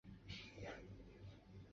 於是自己慢慢走回屋内